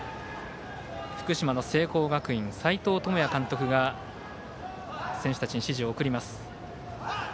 福島の聖光学院は斎藤智也監督が選手たちに指示を送ります。